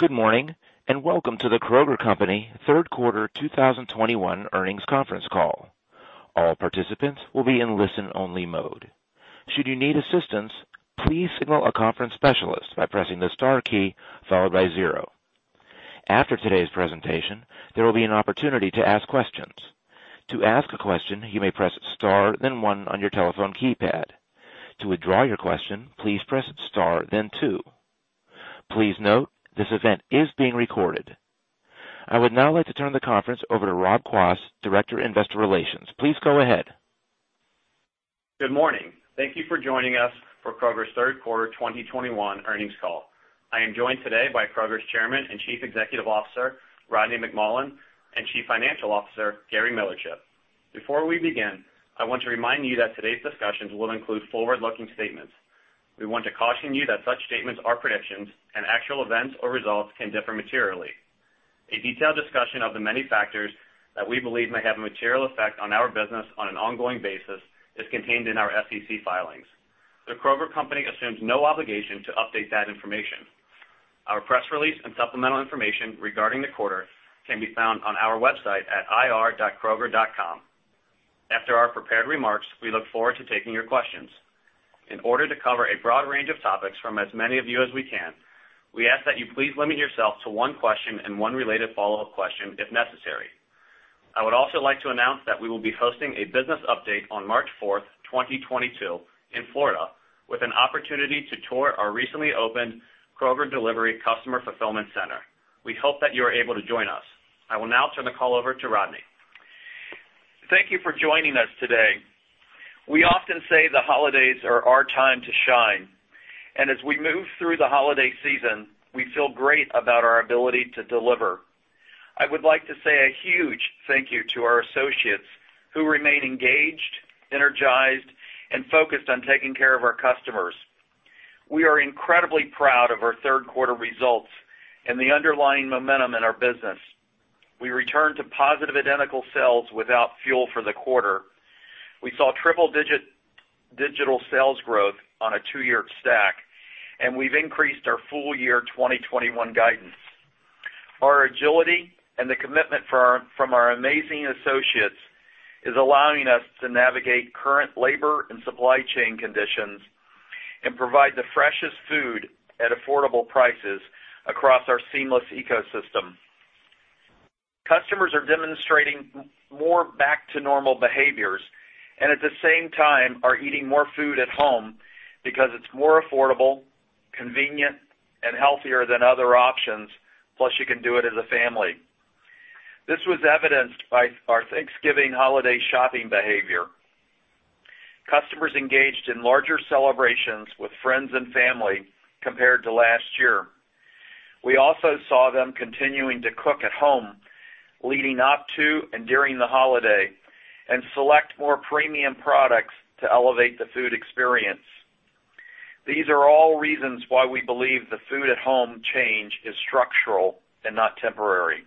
Good morning, and welcome to the Kroger Company Q3 2021 earnings conference call. All participants will be in listen-only mode. Should you need assistance, please signal a conference specialist by pressing the star key followed by zero. After today's presentation, there will be an opportunity to ask questions. To ask a question, you may press star, then one on your telephone keypad. To withdraw your question, please press star then two. Please note this event is being recorded. I would now like to turn the conference over to Rob Quast, Director, Investor Relations. Please go ahead. Good morning. Thank you for joining us for Kroger's Q3 2021 earnings call. I am joined today by Kroger's Chairman and Chief Executive Officer, Rodney McMullen, and Chief Financial Officer, Gary Millerchip. Before we begin, I want to remind you that today's discussions will include forward-looking statements. We want to caution you that such statements are predictions and actual events or results can differ materially. A detailed discussion of the many factors that we believe may have a material effect on our business on an ongoing basis is contained in our SEC filings. The Kroger Co. assumes no obligation to update that information. Our press release and supplemental information regarding the quarter can be found on our website at ir.kroger.com. After our prepared remarks, we look forward to taking your questions. In order to cover a broad range of topics from as many of you as we can, we ask that you please limit yourself to one question and one related follow-up question if necessary. I would also like to announce that we will be hosting a business update on March fourth, twenty twenty-two in Florida with an opportunity to tour our recently opened Kroger Delivery Customer Fulfillment Center. We hope that you are able to join us. I will now turn the call over to Rodney. Thank you for joining us today. We often say the holidays are our time to shine, and as we move through the holiday season, we feel great about our ability to deliver. I would like to say a huge thank you to our associates who remain engaged, energized, and focused on taking care of our customers. We are incredibly proud of our Q3 results and the underlying momentum in our business. We returned to positive identical sales without fuel for the quarter. We saw triple-digit digital sales growth on a two-year stack, and we've increased our full year 2021 guidance. Our agility and the commitment from our amazing associates is allowing us to navigate current labor and supply chain conditions and provide the freshest food at affordable prices across our seamless ecosystem. Customers are demonstrating more back to normal behaviors and at the same time are eating more food at home because it's more affordable, convenient, and healthier than other options, plus you can do it as a family. This was evidenced by our Thanksgiving holiday shopping behavior. Customers engaged in larger celebrations with friends and family compared to last year. We also saw them continuing to cook at home leading up to and during the holiday and select more premium products to elevate the food experience. These are all reasons why we believe the food at home change is structural and not temporary.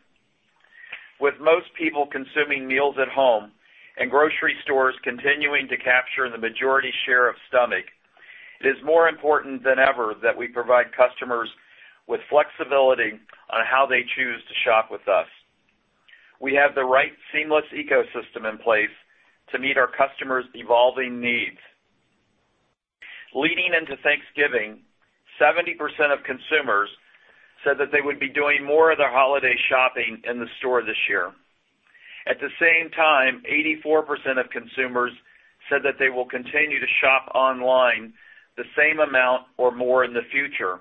With most people consuming meals at home and grocery stores continuing to capture the majority share of stomach, it is more important than ever that we provide customers with flexibility on how they choose to shop with us. We have the right seamless ecosystem in place to meet our customers' evolving needs. Leading into Thanksgiving, 70% of consumers said that they would be doing more of their holiday shopping in the store this year. At the same time, 84% of consumers said that they will continue to shop online the same amount or more in the future.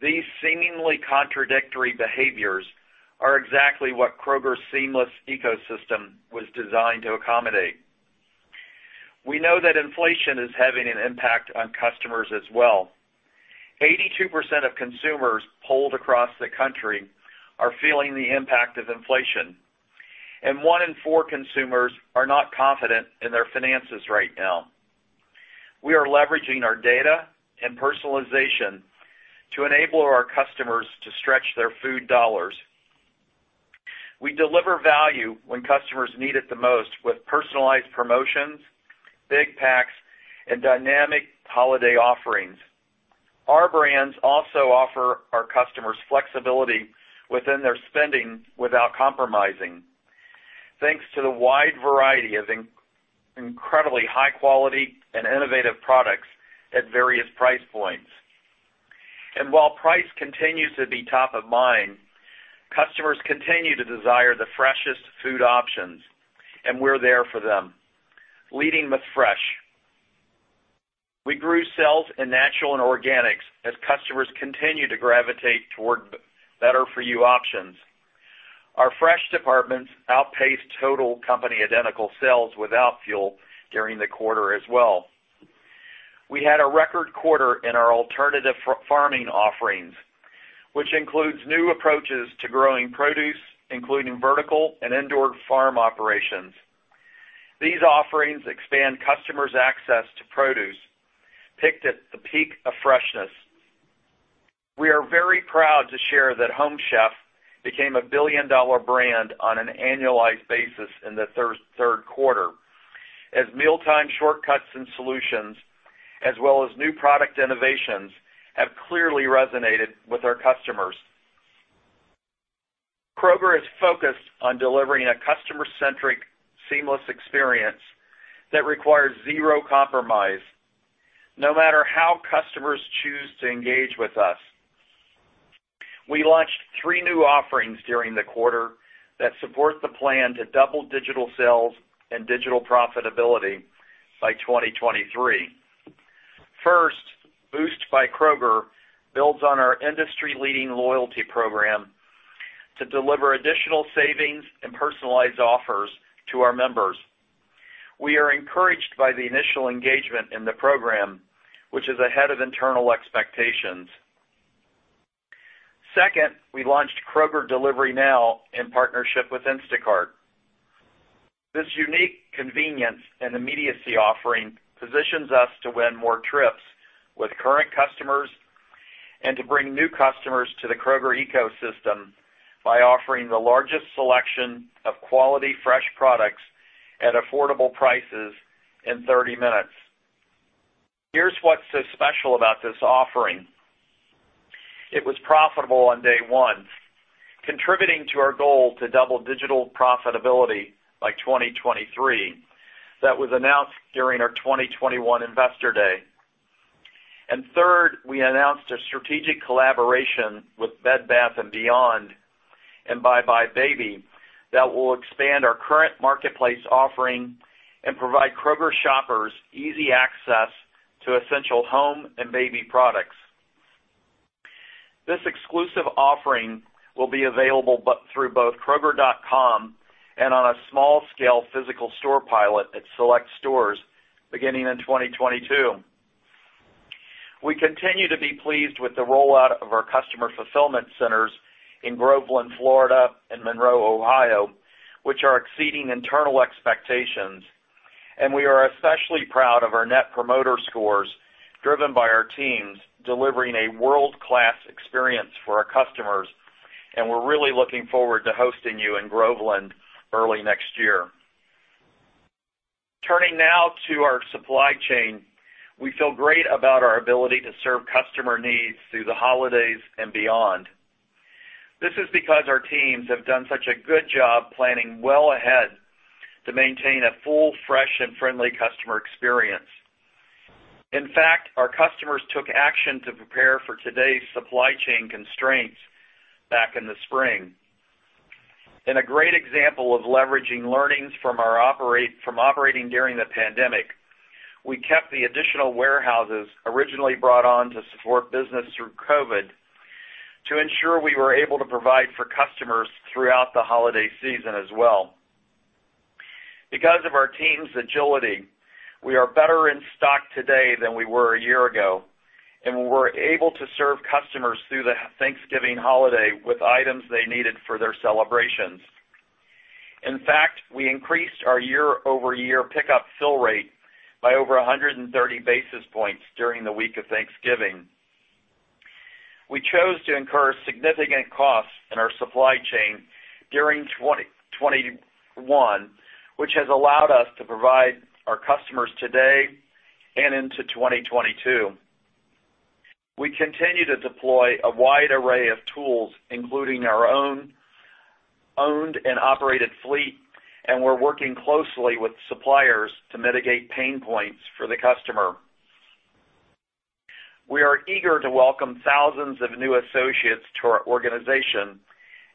These seemingly contradictory behaviors are exactly what Kroger's seamless ecosystem was designed to accommodate. We know that inflation is having an impact on customers as well. 82% of consumers polled across the country are feeling the impact of inflation, and one in four consumers are not confident in their finances right now. We are leveraging our data and personalization to enable our customers to stretch their food dollars. We deliver value when customers need it the most with personalized promotions, big packs, and dynamic holiday offerings. Our Brands also offer our customers flexibility within their spending without compromising, thanks to the wide variety of incredibly high quality and innovative products at various price points. While price continues to be top of mind, customers continue to desire the freshest food options, and we're there for them. Leading with fresh, we grew sales in natural and organics as customers continue to gravitate toward better for you options. Our fresh departments outpaced total company identical sales without fuel during the quarter as well. We had a record quarter in our alternative farming offerings, which includes new approaches to growing produce, including vertical and indoor farm operations. These offerings expand customers' access to produce picked at the peak of freshness. We are very proud to share that Home Chef became a billion-dollar brand on an annualized basis in the Q3, as mealtime shortcuts and solutions as well as new product innovations have clearly resonated with our customers. Kroger is focused on delivering a customer-centric seamless experience that requires zero compromise, no matter how customers choose to engage with us. We launched three new offerings during the quarter that support the plan to double digital sales and digital profitability by 2023. First, Boost by Kroger builds on our industry-leading loyalty program to deliver additional savings and personalized offers to our members. We are encouraged by the initial engagement in the program, which is ahead of internal expectations. Second, we launched Kroger Delivery Now in partnership with Instacart. This unique convenience and immediacy offering positions us to win more trips with current customers and to bring new customers to the Kroger ecosystem by offering the largest selection of quality fresh products at affordable prices in 30 minutes. Here's what's so special about this offering. It was profitable on day one, contributing to our goal to double digital profitability by 2023 that was announced during our 2021 Investor Day. Third, we announced a strategic collaboration with Bed Bath & Beyond and buybuy BABY that will expand our current marketplace offering and provide Kroger shoppers easy access to essential home and baby products. This exclusive offering will be available through both kroger.com and on a small scale physical store pilot at select stores beginning in 2022. We continue to be pleased with the rollout of our customer fulfillment centers in Groveland, Florida, and Monroe, Ohio, which are exceeding internal expectations, and we are especially proud of our Net Promoter Scores driven by our teams delivering a world-class experience for our customers, and we're really looking forward to hosting you in Groveland early next year. Turning now to our supply chain. We feel great about our ability to serve customer needs through the holidays and beyond. This is because our teams have done such a good job planning well ahead to maintain a full, fresh, and friendly customer experience. In fact, our customers took action to prepare for today's supply chain constraints back in the spring. In a great example of leveraging learnings from operating during the pandemic, we kept the additional warehouses originally brought on to support business through COVID to ensure we were able to provide for customers throughout the holiday season as well. Because of our team's agility, we are better in stock today than we were a year ago, and we were able to serve customers through the Thanksgiving holiday with items they needed for their celebrations. In fact, we increased our year-over-year pickup fill rate by over 130 basis points during the week of Thanksgiving. We chose to incur significant costs in our supply chain during 2021, which has allowed us to provide our customers today and into 2022. We continue to deploy a wide array of tools, including our own owned and operated fleet, and we're working closely with suppliers to mitigate pain points for the customer. We are eager to welcome thousands of new associates to our organization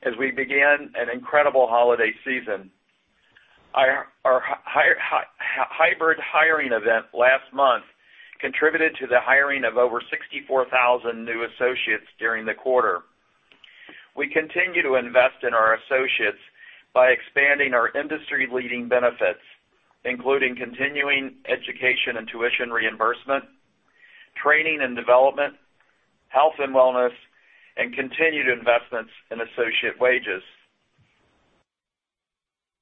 as we begin an incredible holiday season. Our hybrid hiring event last month contributed to the hiring of over 64,000 new associates during the quarter. We continue to invest in our associates by expanding our industry-leading benefits, including continuing education and tuition reimbursement, training and development, health and wellness, and continued investments in associate wages.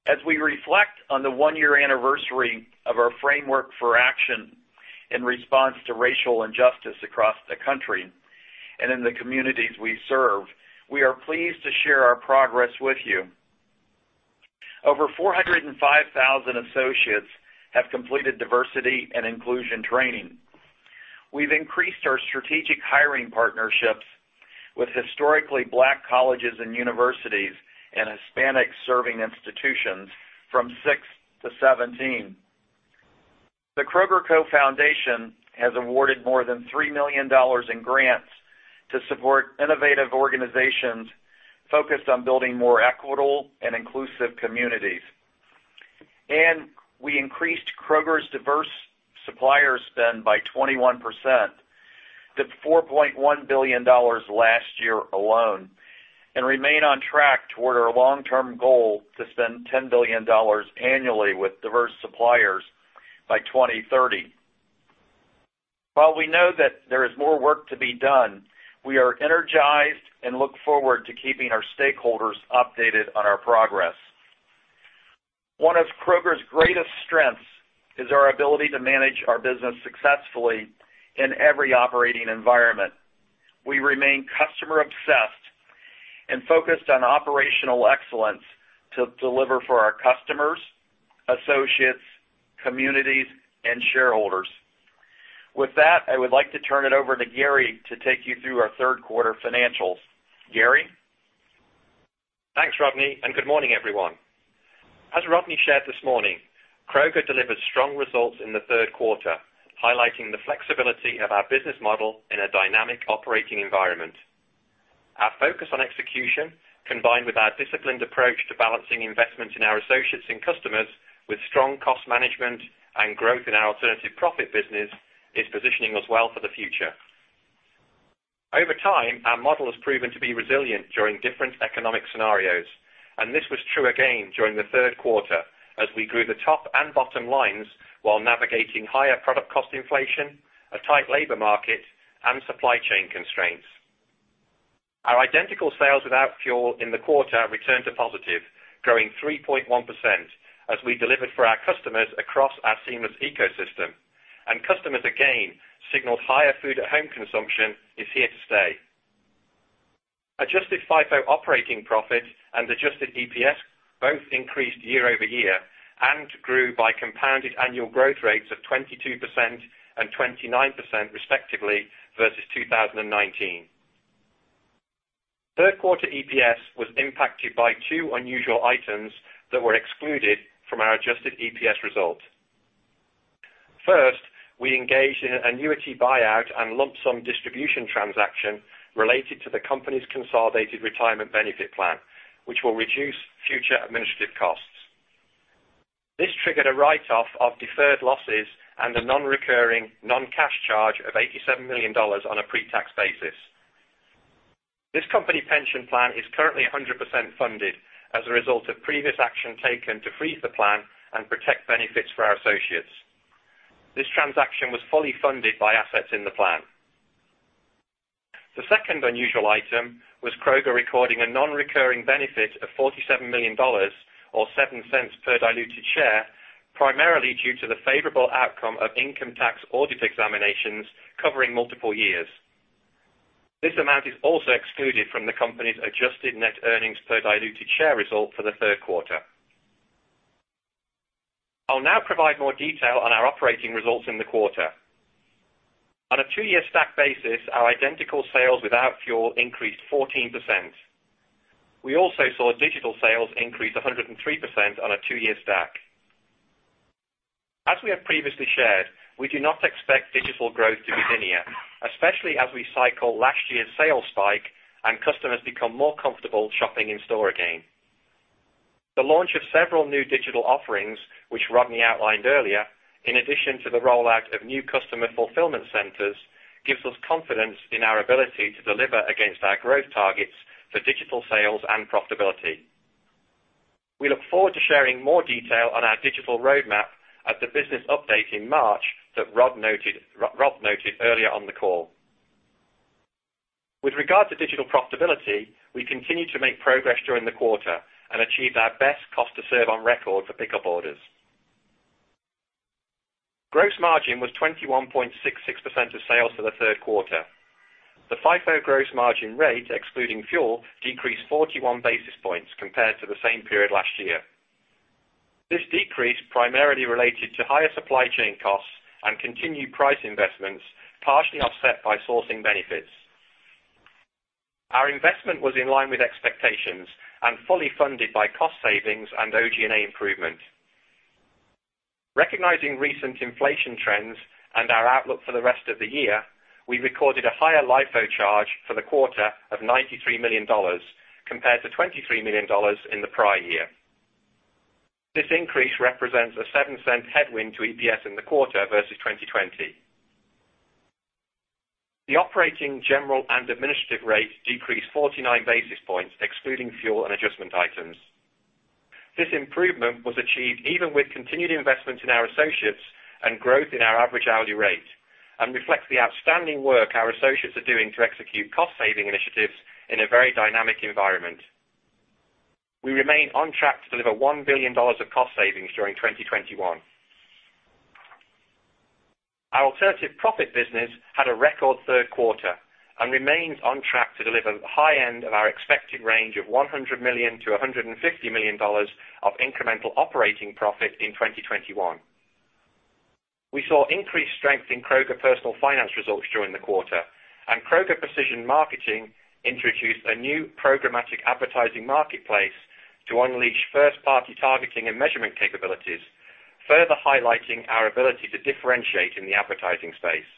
As we reflect on the one-year anniversary of our Framework for Action in response to racial injustice across the country and in the communities we serve, we are pleased to share our progress with you. Over 405,000 associates have completed diversity and inclusion training. We've increased our strategic hiring partnerships with historically black colleges and universities and Hispanic-serving institutions from six to 17. The Kroger Co. Foundation has awarded more than $3 million in grants to support innovative organizations focused on building more equitable and inclusive communities. We increased Kroger's diverse supplier spend by 21% to $4.1 billion last year alone, and remain on track toward our long-term goal to spend $10 billion annually with diverse suppliers by 2030. While we know that there is more work to be done, we are energized and look forward to keeping our stakeholders updated on our progress. One of Kroger's greatest strengths is our ability to manage our business successfully in every operating environment. We remain customer obsessed and focused on operational excellence to deliver for our customers, associates, communities, and shareholders. With that, I would like to turn it over to Gary to take you through our Q3 financials. Gary? Thanks, Rodney, and good morning, everyone. As Rodney shared this morning, Kroger delivered strong results in the Q3, highlighting the flexibility of our business model in a dynamic operating environment. Our focus on execution, combined with our disciplined approach to balancing investment in our associates and customers with strong cost management and growth in our alternative profit business, is positioning us well for the future. Over time, our model has proven to be resilient during different economic scenarios, and this was true again during the Q3 as we grew the top and bottom lines while navigating higher product cost inflation, a tight labor market, and supply chain constraints. Our identical sales without fuel in the quarter returned to positive, growing 3.1% as we delivered for our customers across our seamless ecosystem. Customers again signaled higher food at home consumption is here to stay. Adjusted FIFO operating profit and adjusted EPS both increased year-over-year and grew by compounded annual growth rates of 22% and 29% respectively versus 2019. Q3 EPS was impacted by 2 unusual items that were excluded from our adjusted EPS results. First, we engaged in an annuity buyout and lump sum distribution transaction related to the company's consolidated retirement benefit plan, which will reduce future administrative costs. This triggered a write-off of deferred losses and a non-recurring non-cash charge of $87 million on a pre-tax basis. This company pension plan is currently 100% funded as a result of previous action taken to freeze the plan and protect benefits for our associates. This transaction was fully funded by assets in the plan. The second unusual item was Kroger recording a non-recurring benefit of $47 million or $0.07 per diluted share, primarily due to the favorable outcome of income tax audit examinations covering multiple years. This amount is also excluded from the company's adjusted net earnings per diluted share result for the Q3. I'll now provide more detail on our operating results in the quarter. On a two-year stack basis, our identical sales without fuel increased 14%. We also saw digital sales increase 103% on a two-year stack. As we have previously shared, we do not expect digital growth to continue, especially as we cycle last year's sales spike and customers become more comfortable shopping in store again. The launch of several new digital offerings, which Rodney outlined earlier, in addition to the rollout of new customer fulfillment centers, gives us confidence in our ability to deliver against our growth targets for digital sales and profitability. We look forward to sharing more detail on our digital roadmap at the business update in March that Rob noted earlier on the call. With regard to digital profitability, we continued to make progress during the quarter and achieved our best cost to serve on record for pickup orders. Gross margin was 21.66% of sales for the Q3. The FIFO gross margin rate, excluding fuel, decreased 41 basis points compared to the same period last year. This decrease primarily related to higher supply chain costs and continued price investments, partially offset by sourcing benefits. Our investment was in line with expectations and fully funded by cost savings and OG&A improvement. Recognizing recent inflation trends and our outlook for the rest of the year, we recorded a higher LIFO charge for the quarter of $93 million compared to $23 million in the prior year. This increase represents a $0.07 headwind to EPS in the quarter versus 2020. The operating general and administrative rate decreased 49 basis points, excluding fuel and adjustment items. This improvement was achieved even with continued investment in our associates and growth in our average hourly rate, and reflects the outstanding work our associates are doing to execute cost saving initiatives in a very dynamic environment. We remain on track to deliver $1 billion of cost savings during 2021. Our alternative profit business had a record Q3 and remains on track to deliver the high end of our expected range of $100 million-$150 million of incremental operating profit in 2021. We saw increased strength in Kroger Personal Finance results during the quarter, and Kroger Precision Marketing introduced a new programmatic advertising marketplace to unleash first-party targeting and measurement capabilities, further highlighting our ability to differentiate in the advertising space.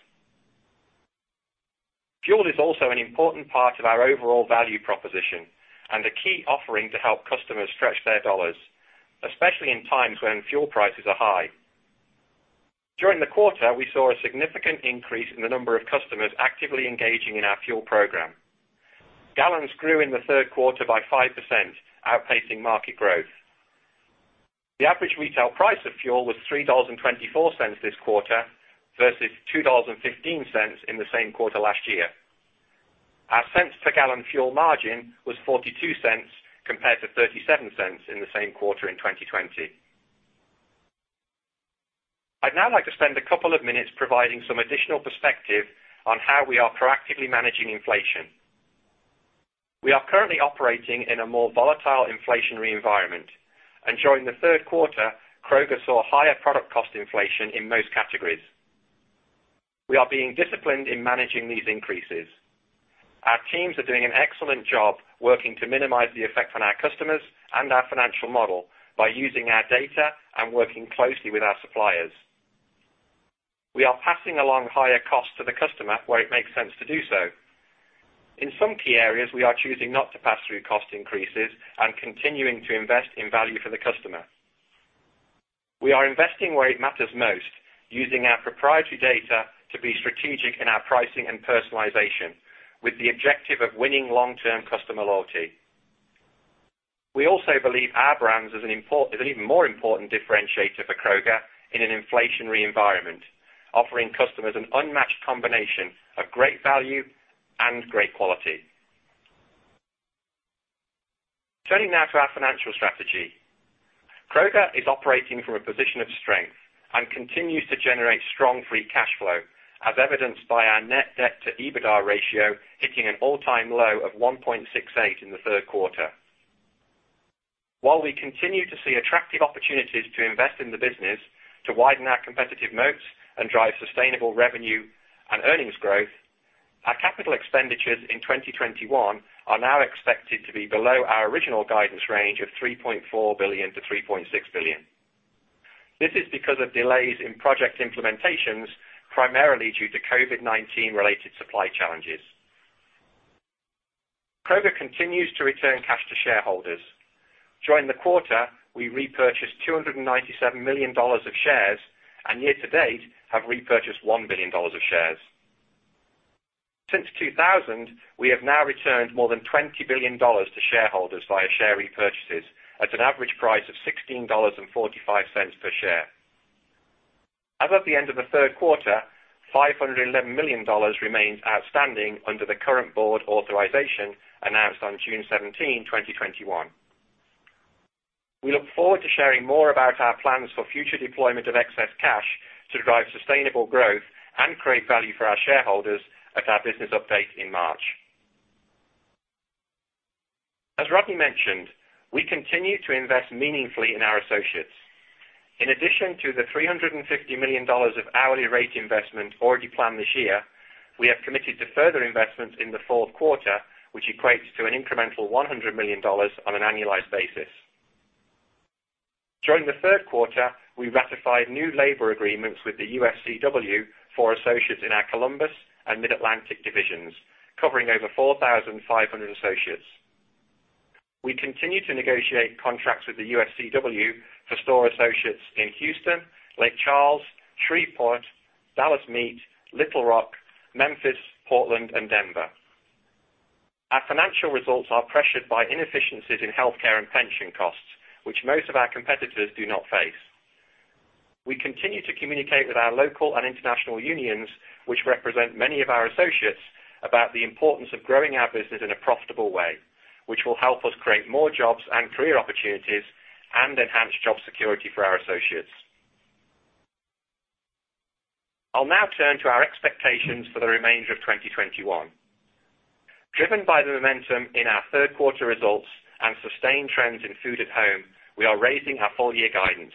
Fuel is also an important part of our overall value proposition and a key offering to help customers stretch their dollars, especially in times when fuel prices are high. During the quarter, we saw a significant increase in the number of customers actively engaging in our fuel program. Gallons grew in the Q3 by 5%, outpacing market growth. The average retail price of fuel was $3.24 this quarter versus $2.15 in the same quarter last year. Our cents per gallon fuel margin was $0.42 compared to $0.37 in the same quarter in 2020. I'd now like to spend a couple of minutes providing some additional perspective on how we are proactively managing inflation. We are currently operating in a more volatile inflationary environment. During the Q3, Kroger saw higher product cost inflation in most categories. We are being disciplined in managing these increases. Our teams are doing an excellent job working to minimize the effect on our customers and our financial model by using our data and working closely with our suppliers. We are passing along higher costs to the customer where it makes sense to do so. In some key areas, we are choosing not to pass through cost increases and continuing to invest in value for the customer. We are investing where it matters most, using our proprietary data to be strategic in our pricing and personalization, with the objective of winning long-term customer loyalty. We also believe our brands is an even more important differentiator for Kroger in an inflationary environment, offering customers an unmatched combination of great value and great quality. Turning now to our financial strategy. Kroger is operating from a position of strength and continues to generate strong free cash flow, as evidenced by our net debt to EBITDA ratio hitting an all-time low of 1.68 in the Q3. While we continue to see attractive opportunities to invest in the business to widen our competitive moats and drive sustainable revenue and earnings growth, our capital expenditures in 2021 are now expected to be below our original guidance range of $3.4 billion-$3.6 billion. This is because of delays in project implementations, primarily due to COVID-19 related supply challenges. Kroger continues to return cash to shareholders. During the quarter, we repurchased $297 million of shares, and year to date have repurchased $1 billion of shares. Since 2000, we have now returned more than $20 billion to shareholders via share repurchases at an average price of $16.45 per share. As of the end of the Q3, $511 million remains outstanding under the current board authorization announced on June 17, 2021. We look forward to sharing more about our plans for future deployment of excess cash to drive sustainable growth and create value for our shareholders at our business update in March. As Rodney mentioned, we continue to invest meaningfully in our associates. In addition to the $350 million of hourly rate investment already planned this year, we have committed to further investments in the Q4, which equates to an incremental $100 million on an annualized basis. During the Q3, we ratified new labor agreements with the UFCW for associates in our Columbus and Mid-Atlantic divisions, covering over 4,500 associates. We continue to negotiate contracts with the UFCW for store associates in Houston, Lake Charles, Shreveport, Dallas Meat, Little Rock, Memphis, Portland and Denver. Our financial results are pressured by inefficiencies in healthcare and pension costs, which most of our competitors do not face. We continue to communicate with our local and international unions, which represent many of our associates, about the importance of growing our business in a profitable way, which will help us create more jobs and career opportunities and enhance job security for our associates. I'll now turn to our expectations for the remainder of 2021. Driven by the momentum in our Q3 results and sustained trends in food at home, we are raising our full year guidance.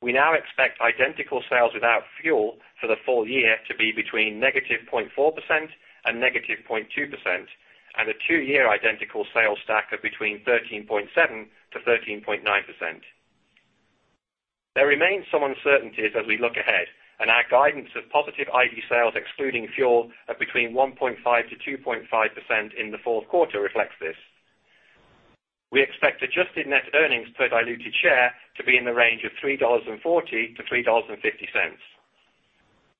We now expect identical sales without fuel for the full year to be between -0.4% and -0.2%, and a two-year identical sales stack of between 13.7% to 13.9%. There remains some uncertainties as we look ahead and our guidance of positive ID sales excluding fuel of between 1.5% to 2.5% in the Q4 reflects this. We expect adjusted net earnings per diluted share to be in the range of $3.40-$3.50.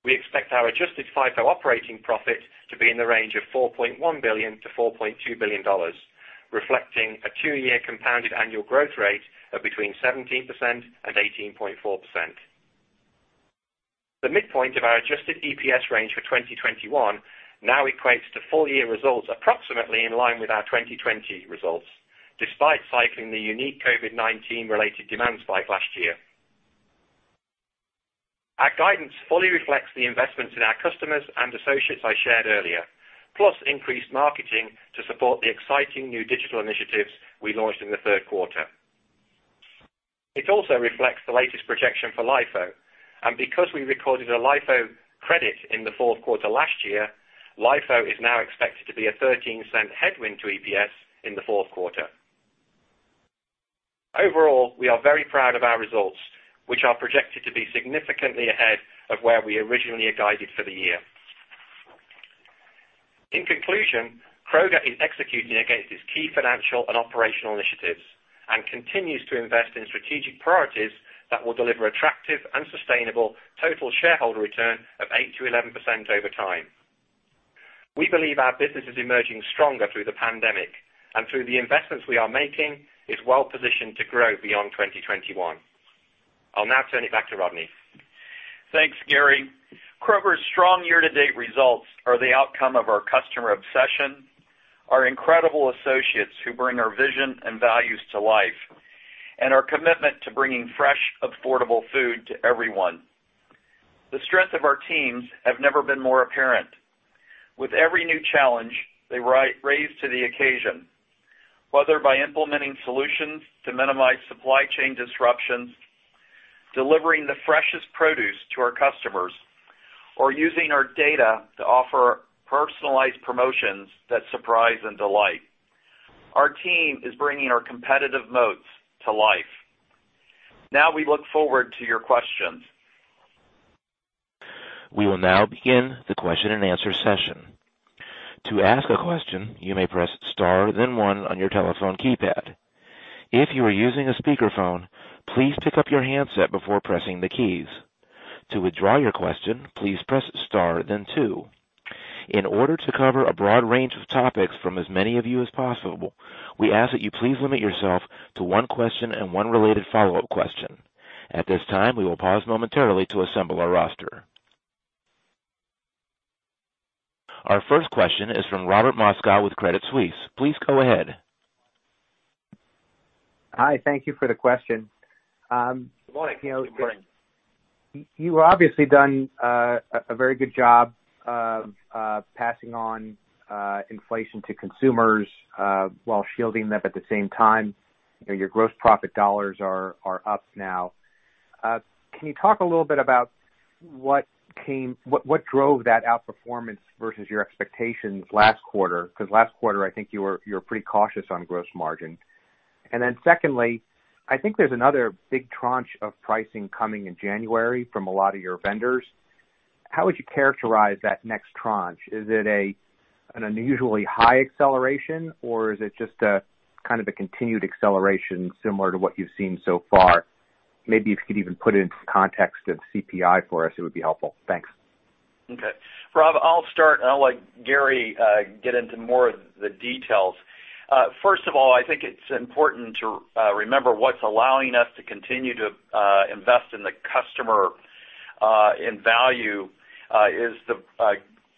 We expect our adjusted FIFO operating profit to be in the range of $4.1 billion-$4.2 billion, reflecting a two-year compounded annual growth rate of between 17% and 18.4%. The midpoint of our adjusted EPS range for 2021 now equates to full year results approximately in line with our 2020 results, despite cycling the unique COVID-19 related demand spike last year. Our guidance fully reflects the investments in our customers and associates I shared earlier, plus increased marketing to support the exciting new digital initiatives we launched in the Q3. It also reflects the latest projection for LIFO. Because we recorded a LIFO credit in the Q4 last year, LIFO is now expected to be a $0.13 headwind to EPS in the Q4. Overall, we are very proud of our results, which are projected to be significantly ahead of where we originally had guided for the year. In conclusion, Kroger is executing against its key financial and operational initiatives and continues to invest in strategic priorities that will deliver attractive and sustainable total shareholder return of 8%-11% over time. We believe our business is emerging stronger through the pandemic and through the investments we are making, is well positioned to grow beyond 2021. I'll now turn it back to Rodney. Thanks, Gary. Kroger's strong year-to-date results are the outcome of our customer obsession. Our incredible associates who bring our vision and values to life, and our commitment to bringing fresh, affordable food to everyone. The strength of our teams have never been more apparent. With every new challenge, they rise to the occasion, whether by implementing solutions to minimize supply chain disruptions, delivering the freshest produce to our customers, or using our data to offer personalized promotions that surprise and delight. Our team is bringing our competitive moats to life. Now, we look forward to your questions. We will now begin the question-and-answer session. To ask a question, you may press star then one on your telephone keypad. If you are using a speakerphone, please pick up your handset before pressing the keys. To withdraw your question, please press star then two. In order to cover a broad range of topics from as many of you as possible, we ask that you please limit yourself to one question and one related follow-up question. At this time, we will pause momentarily to assemble our roster. Our first question is from Robert Moskow with Credit Suisse. Please go ahead. Hi, thank you for the question. Good morning. You know, you've obviously done a very good job passing on inflation to consumers while shielding them at the same time. You know, your gross profit dollars are up now. Can you talk a little bit about what drove that outperformance versus your expectations last quarter? Because last quarter, I think you were pretty cautious on gross margin. Secondly, I think there's another big tranche of pricing coming in January from a lot of your vendors. How would you characterize that next tranche? Is it an unusually high acceleration, or is it just kind of a continued acceleration similar to what you've seen so far? Maybe if you could even put it into context of CPI for us, it would be helpful. Thanks. Okay. Rob, I'll start, and I'll let Gary get into more of the details. First of all, I think it's important to remember what's allowing us to continue to invest in the customer, in value, is the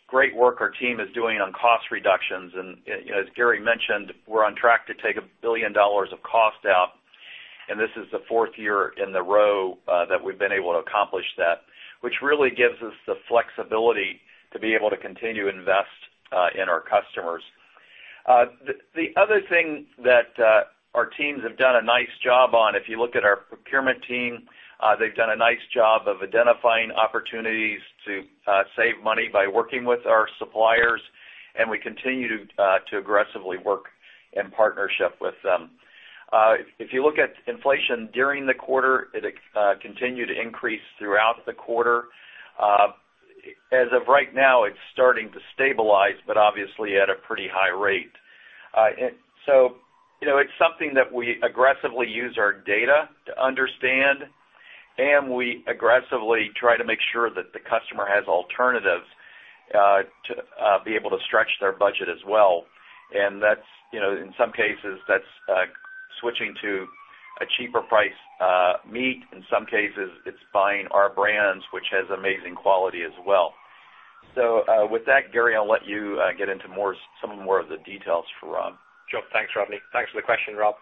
great work our team is doing on cost reductions. As Gary mentioned, we're on track to take $1 billion of cost out, and this is the fourth year in a row that we've been able to accomplish that, which really gives us the flexibility to be able to continue to invest in our customers. The other thing that our teams have done a nice job on, if you look at our procurement team, they've done a nice job of identifying opportunities to save money by working with our suppliers, and we continue to aggressively work in partnership with them. If you look at inflation during the quarter, it continued to increase throughout the quarter. As of right now, it's starting to stabilize, but obviously at a pretty high rate. You know, it's something that we aggressively use our data to understand, and we aggressively try to make sure that the customer has alternatives to be able to stretch their budget as well. That's you know, in some cases, switching to a cheaper price meat. In some cases, it's buying Our Brands, which has amazing quality as well. With that, Gary, I'll let you get into some more of the details for Rob. Sure. Thanks, Rodney. Thanks for the question, Rob.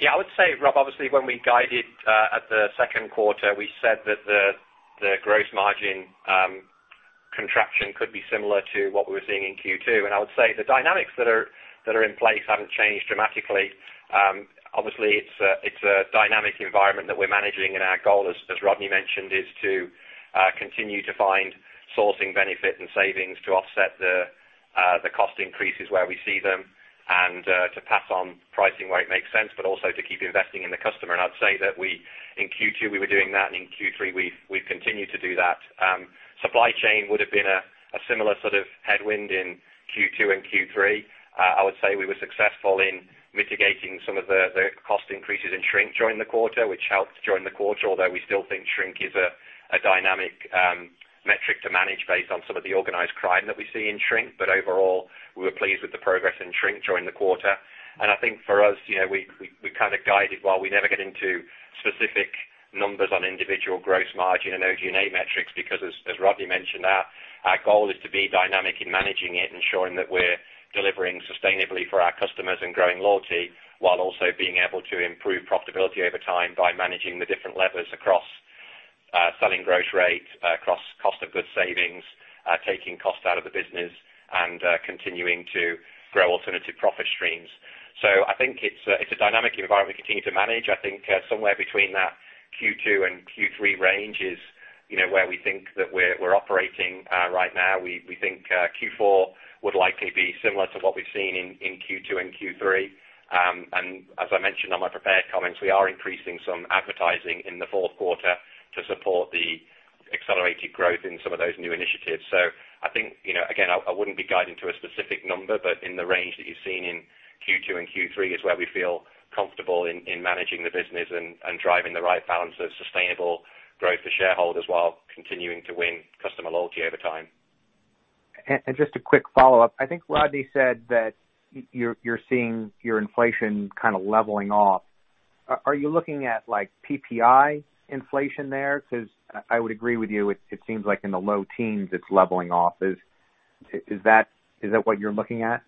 Yeah, I would say, Rob, obviously, when we guided at the Q2, we said that the gross margin contraction could be similar to what we were seeing in Q2. I would say the dynamics that are in place haven't changed dramatically. Obviously, it's a dynamic environment that we're managing, and our goal, as Rodney mentioned, is to continue to find sourcing benefit and savings to offset the cost increases where we see them and to pass on pricing where it makes sense, but also to keep investing in the customer. I'd say that in Q2, we were doing that, and in Q3, we've continued to do that. Supply chain would have been a similar sort of headwind in Q2 and Q3. I would say we were successful in mitigating some of the cost increases in shrink during the quarter, which helped during the quarter, although we still think shrink is a dynamic metric to manage based on some of the organized crime that we see in shrink. Overall, we were pleased with the progress in shrink during the quarter. I think for us we kind of guided while we never get into specific numbers on individual gross margin and OG&A metrics, because as Rodney mentioned, our goal is to be dynamic in managing it, ensuring that we're delivering sustainably for our customers and growing loyalty while also being able to improve profitability over time by managing the different levers across selling gross rate, across cost of goods savings, taking cost out of the business and continuing to grow alternative profit streams. I think it's a dynamic environment we continue to manage. I think somewhere between that Q2 and Q3 range is where we think that we're operating right now. We think Q4 would likely be similar to what we've seen in Q2 and Q3. As I mentioned on my prepared comments, we are increasing some advertising in the Q4 to support the accelerated growth in some of those new initiatives. I think again, I wouldn't be guiding to a specific number, but in the range that you've seen in Q2 and Q3 is where we feel comfortable in managing the business and driving the right balance of sustainable growth for shareholders while continuing to win customer loyalty over time. Just a quick follow-up. I think Rodney said that you're seeing your inflation kind of leveling off. Are you looking at like PPI inflation there? Because I would agree with you, it seems like in the low teens, it's leveling off. Is that what you're looking at?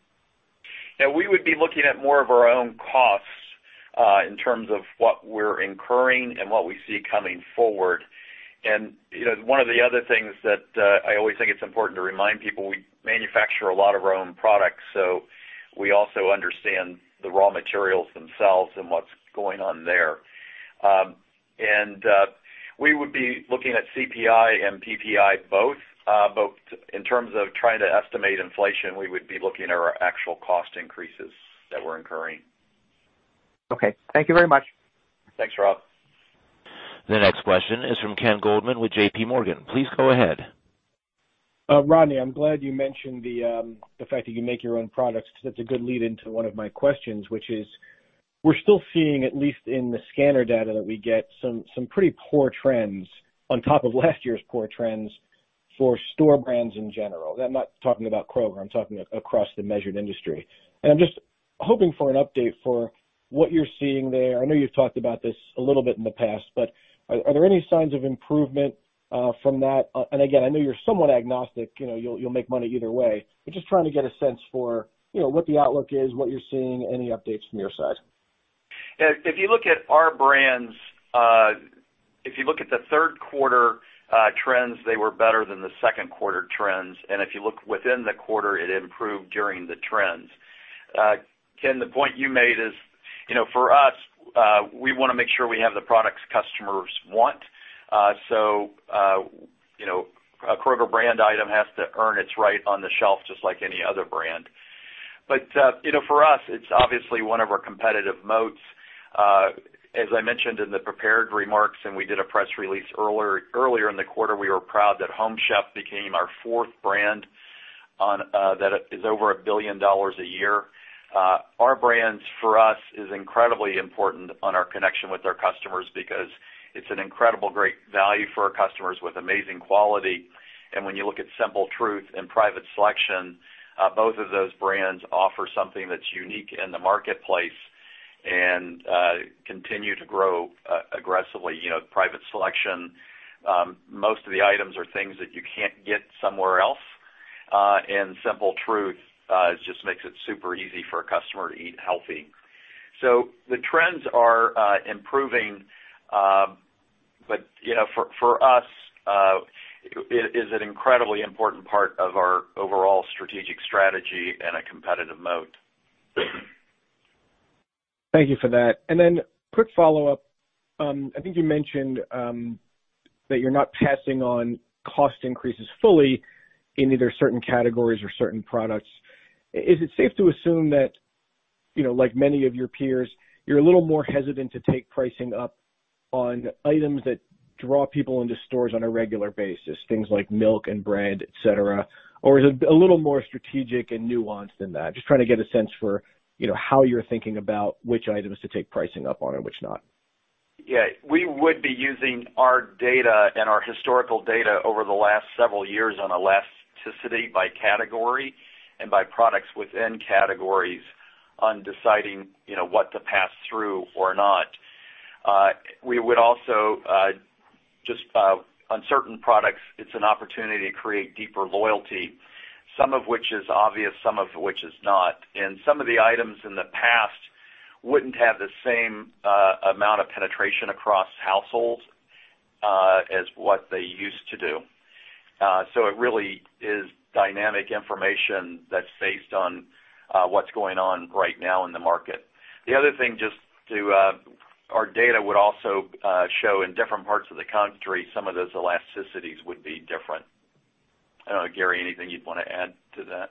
Yeah, we would be looking at more of our own costs, in terms of what we're incurring and what we see coming forward. You know, one of the other things that I always think it's important to remind people, we manufacture a lot of our own products, so we also understand the raw materials themselves and what's going on there. We would be looking at CPI and PPI both. In terms of trying to estimate inflation, we would be looking at our actual cost increases that we're incurring. Okay. Thank you very much. Thanks, Rob. The next question is from Ken Goldman with JP Morgan. Please go ahead. Rodney, I'm glad you mentioned the fact that you make your own products. That's a good lead into one of my questions, which is, we're still seeing, at least in the scanner data that we get, some pretty poor trends on top of last year's poor trends for store brands in general. I'm not talking about Kroger, I'm talking across the measured industry. I'm just hoping for an update for what you're seeing there. I know you've talked about this a little bit in the past, but are there any signs of improvement from that? Again, I know you're somewhat agnostic you'll make money either way. I'm just trying to get a sense for what the outlook is, what you're seeing, any updates from your side. If you look at our brands, if you look at the Q3 trends, they were better than the Q2 trends. If you look within the quarter, it improved during the trends. Ken, the point you made is for us, we want to make sure we have the products customers want. so a Kroger brand item has to earn its right on the shelf just like any other brand. but for us, it's obviously one of our competitive moats. As I mentioned in the prepared remarks, and we did a press release earlier in the quarter, we were proud that Home Chef became our fourth brand, one that is over $1 billion a year. Our Brands for us is incredibly important on our connection with our customers because it's an incredible great value for our customers with amazing quality. When you look at Simple Truth and Private Selection, both of those brands offer something that's unique in the marketplace and continue to grow aggressively. You know, Private Selection, most of the items are things that you can't get somewhere else. Simple Truth just makes it super easy for a customer to eat healthy. The trends are improving. You know, for us, it is an incredibly important part of our overall strategic strategy and a competitive moat. Thank you for that. Quick follow-up. I think you mentioned that you're not passing on cost increases fully in either certain categories or certain products. Is it safe to assume that like many of your peers, you're a little more hesitant to take pricing up on items that draw people into stores on a regular basis, things like milk and bread, et cetera? Or is it a little more strategic and nuanced than that? Just trying to get a sense for how you're thinking about which items to take pricing up on and which not. Yeah. We would be using our data and our historical data over the last several years on elasticity by category and by products within categories on deciding what to pass through or not. We would also just on certain products, it's an opportunity to create deeper loyalty, some of which is obvious, some of which is not. Some of the items in the past wouldn't have the same amount of penetration across households as what they used to do. It really is dynamic information that's based on what's going on right now in the market. The other thing, our data would also show in different parts of the country, some of those elasticities would be different. I don't know, Gary, anything you'd want to add to that?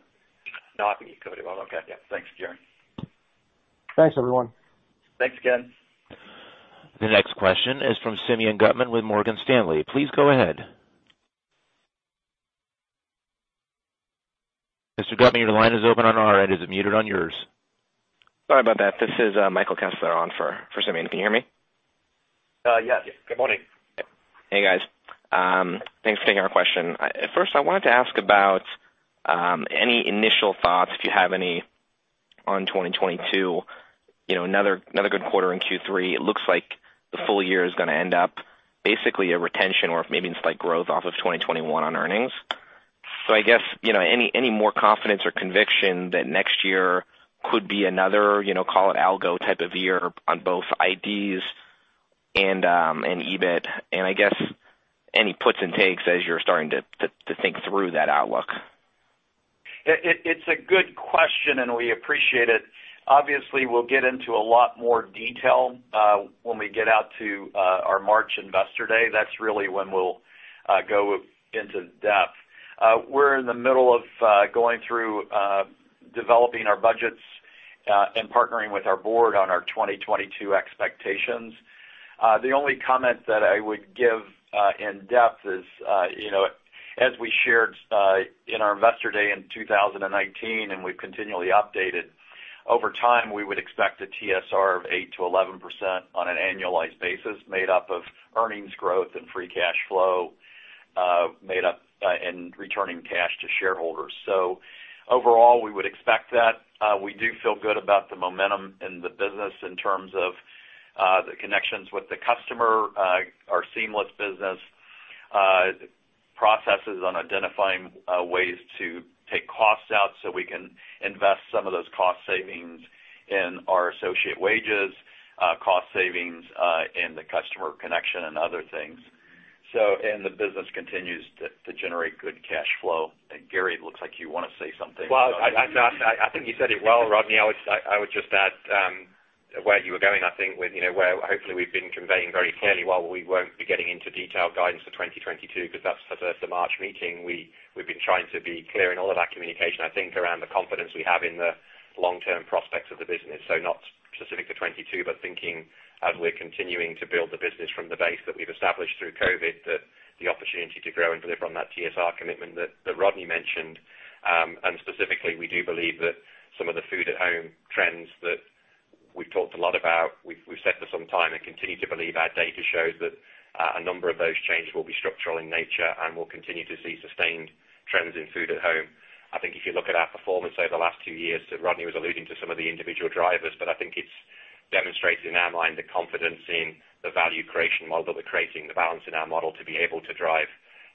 No, I think you covered it well. Okay. Thanks, Gary. Thanks, everyone. Thanks, Ken. The next question is from Simeon Gutman with Morgan Stanley. Please go ahead. Mr. Gutman, your line is open on our end. Is it muted on yours? Sorry about that. This is Michael Kessler on for Simeon. Can you hear me? Yes. Good morning. Hey, guys. Thanks for taking our question. First, I wanted to ask about any initial thoughts, if you have any, on 2022. You know, another good quarter in Q3. It looks like the full year is gonna end up basically a retention or maybe a slight growth off of 2021 on earnings. I guess any more confidence or conviction that next year could be another call it algo type of year on both IDs and EBIT? I guess any puts and takes as you're starting to think through that outlook? It's a good question, and we appreciate it. Obviously, we'll get into a lot more detail when we get out to our March investor day. That's really when we'll go into depth. We're in the middle of going through developing our budgets and partnering with our board on our 2022 expectations. The only comment that I would give in depth is as we shared in our investor day in 2019, and we've continually updated over time, we would expect a TSR of 8%-11% on an annualized basis made up of earnings growth and free cash flow, made up in returning cash to shareholders. Overall, we would expect that. We do feel good about the momentum in the business in terms of the connections with the customer, our seamless business, processes on identifying ways to take costs out so we can invest some of those cost savings in our associate wages, cost savings in the customer connection and other things. The business continues to generate good cash flow. Gary, it looks like you wanna say something. Well, I think you said it well, Rodney. I would just add where you were going, I think with where hopefully we've been conveying very clearly while we won't be getting into detailed guidance for 2022 because that's reserved for March meeting, we've been trying to be clear in all of our communication, I think, around the confidence we have in the long-term prospects of the business. Not specific to 2022, but thinking as we're continuing to build the business from the base that we've established through COVID, that the opportunity to grow and deliver on that TSR commitment that Rodney mentioned. Specifically, we do believe that some of the food at home trends that we've talked a lot about, we've said for some time and continue to believe our data shows that a number of those changes will be structural in nature, and we'll continue to see sustained trends in food at home. I think if you look at our performance over the last two years, Rodney was alluding to some of the individual drivers, but I think it's demonstrated in our mind the confidence in the value creation model that we're creating, the balance in our model to be able to drive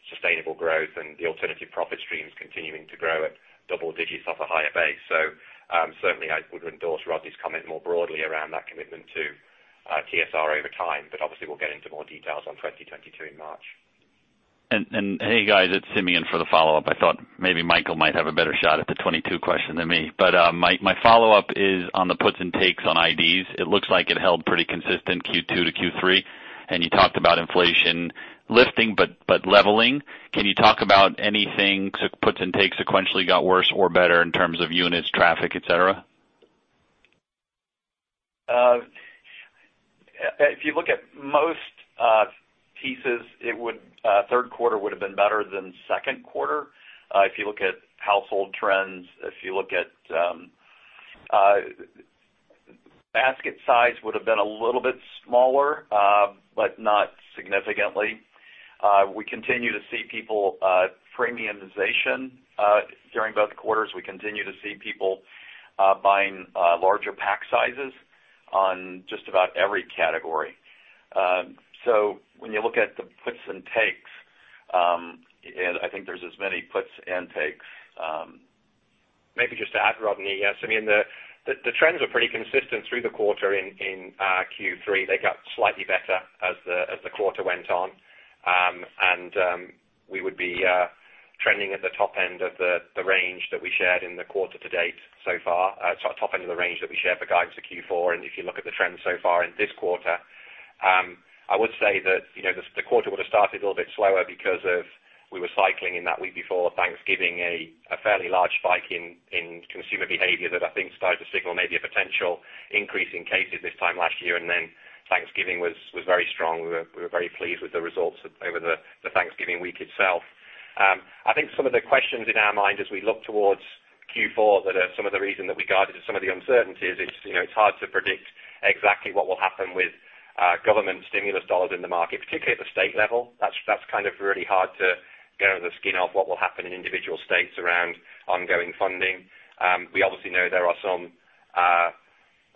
sustainable growth and the alternative profit streams continuing to grow at double digits off a higher base. Certainly I would endorse Rodney's comment more broadly around that commitment to TSR over time, but obviously we'll get into more details on 2022 in March. Hey guys, it's Simeon for the follow-up. I thought maybe Michael might have a better shot at the 2022 question than me. My follow-up is on the puts and takes on IDs. It looks like it held pretty consistent Q2 to Q3, and you talked about inflation lifting, but leveling. Can you talk about anything puts and takes sequentially got worse or better in terms of units, traffic, et cetera? If you look at most pieces, the Q3 would've been better than the Q2. If you look at household trends, the basket size would've been a little bit smaller, but not significantly. We continue to see premiumization during both quarters. We continue to see people buying larger pack sizes on just about every category. When you look at the puts and takes, I think there's as many puts and takes. Maybe just to add Rodney, yes, I mean, the trends are pretty consistent through the quarter in Q3. They got slightly better as the quarter went on. We would be trending at the top end of the range that we shared in the quarter to date so far, so top end of the range that we shared for guidance for Q4. If you look at the trends so far in this quarter, I would say that the quarter would've started a little bit slower because we were cycling in that week before Thanksgiving, a fairly large spike in consumer behavior that I think started to signal maybe a potential increase in cases this time last year. Then Thanksgiving was very strong. We were very pleased with the results over the Thanksgiving week itself. I think some of the questions in our mind as we look towards Q4 that are some of the reason that we guided to some of the uncertainties, it's it's hard to predict exactly what will happen with government stimulus dollars in the market, particularly at the state level. That's kind of really hard to get under the skin of what will happen in individual states around ongoing funding. We obviously know there are some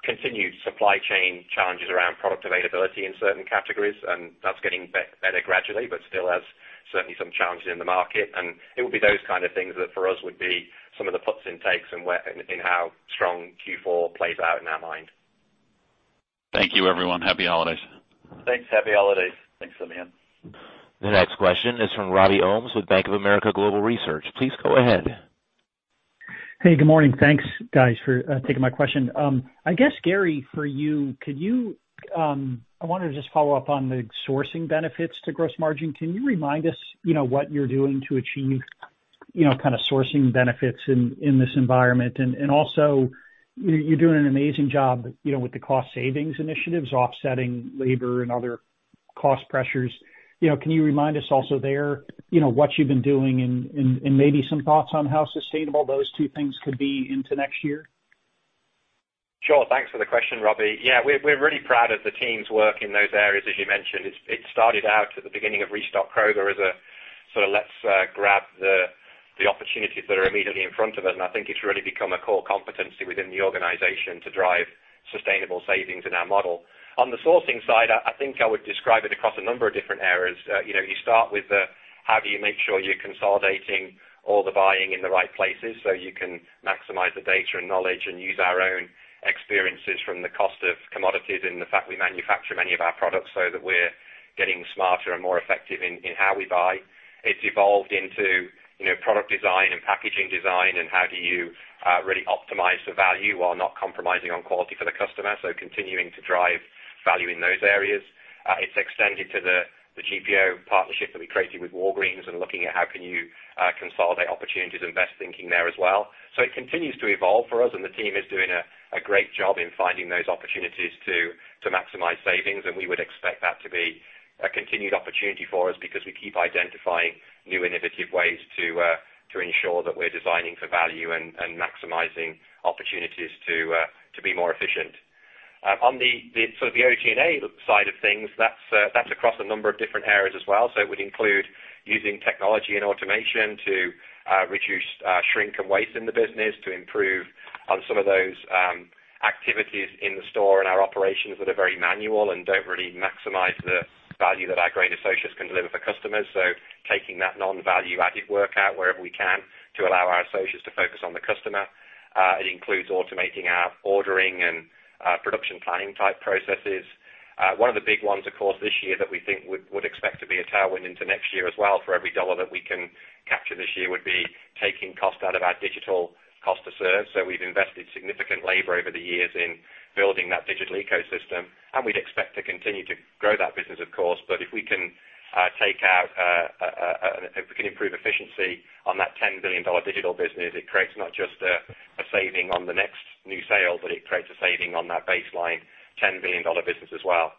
continued supply chain challenges around product availability in certain categories, and that's getting better gradually, but still has certainly some challenges in the market. It would be those kind of things that for us would be some of the puts and takes in how strong Q4 plays out in our mind. Thank you everyone. Happy holidays. Thanks. Happy holidays. Thanks, Simeon. The next question is from Robbie Ohmes with Bank of America Global Research. Please go ahead. Hey, good morning. Thanks, guys, for taking my question. I guess Gary, for you, I wanted to just follow up on the sourcing benefits to gross margin. Can you remind us what you're doing to achieve kind of sourcing benefits in this environment? Also, you're doing an amazing job with the cost savings initiatives offsetting labor and other cost pressures. You know, can you remind us also there what you've been doing and maybe some thoughts on how sustainable those two things could be into next year? Sure. Thanks for the question, Robbie. Yeah. We're really proud of the team's work in those areas, as you mentioned. It started out at the beginning of Restock Kroger as a sort of, let's grab the opportunities that are immediately in front of us, and I think it's really become a core competency within the organization to drive sustainable savings in our model. On the sourcing side, I think I would describe it across a number of different areas. You know, you start with how do you make sure you're consolidating all the buying in the right places so you can maximize the data and knowledge and use our own experiences from the cost of commodities and the fact we manufacture many of our products so that we're getting smarter and more effective in how we buy. It's evolved into product design and packaging design and how do you really optimize for value while not compromising on quality for the customer. Continuing to drive value in those areas. It's extended to the GPO partnership that we created with Walgreens and looking at how can you consolidate opportunities and best thinking there as well. It continues to evolve for us, and the team is doing a great job in finding those opportunities to maximize savings, and we would expect that to be a continued opportunity for us because we keep identifying new innovative ways to ensure that we're designing for value and maximizing opportunities to be more efficient. On the sort of OG&A side of things, that's across a number of different areas as well. It would include using technology and automation to reduce shrink and waste in the business to improve on some of those activities in the store and our operations that are very manual and don't really maximize the value that our great associates can deliver for customers. Taking that non-value-added work out wherever we can to allow our associates to focus on the customer. It includes automating our ordering and production planning type processes. One of the big ones, of course, this year that we think would expect to be a tailwind into next year as well for every dollar that we can capture this year would be taking cost out of our digital cost to serve. We've invested significant labor over the years in building that digital ecosystem, and we'd expect to continue to grow that business, of course. If we can improve efficiency on that $10 billion digital business, it creates not just a saving on the next new sale, but it creates a saving on that baseline $10 billion business as well.